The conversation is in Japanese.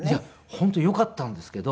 本当よかったんですけど。